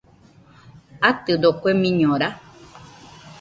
¿Atɨdo kue miñora?